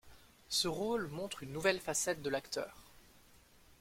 Ce rôle montre une nouvelle facette de l'acteur.